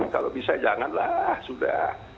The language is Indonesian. kalau bisa janganlah sudah